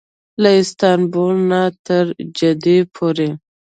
له استانبول نه تر جدې پورې.